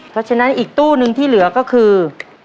เพราะฉะนั้นอีกตู้นึงที่เหลือก็คือ